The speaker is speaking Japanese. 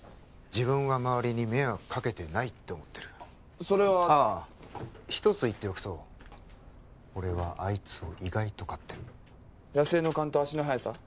自分は周りに迷惑かけてないと思ってるそれはああ一つ言っておくと俺はあいつを意外と買ってる野生の勘と足の速さ？